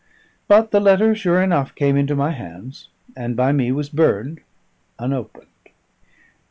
But the letter, sure enough, came into my hands, and by me was burned, unopened.